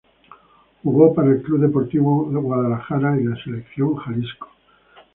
Jugó para el Club Deportivo Guadalajara y la Selección Jalisco.